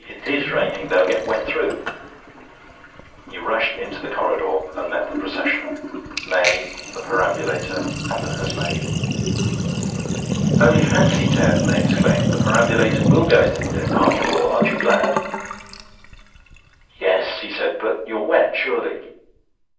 'It is raining. They'll get wet through.' He rushed into the corridor, and met the procession May, the perambulator, and the nursemaid. 'Only fancy, Ted!' May exclaimed, 'the perambulator will go into the lift, after all. Aren't you glad?' 'Yes,' he said. 'But you're wet, surely?'